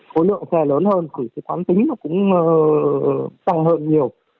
khối lượng xe lớn hơn khối lượng khoán tính nó cũng tăng hơn nhiều